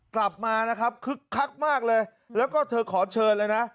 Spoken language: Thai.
กลับมานะครับคึกคักมากเลยแล้วก็เธอขอเชิญเลยนะ